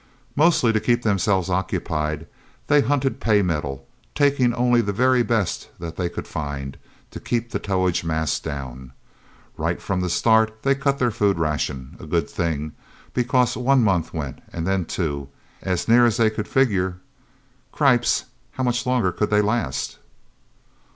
Mostly to keep themselves occupied, they hunted paymetal, taking only the very best that they could find, to keep the towage mass down. Right from the start they cut their food ration a good thing, because one month went, and then two, as near as they could figure. Cripes, how much longer could they last?